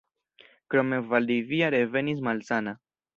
Krome Valdivia revenis malsana.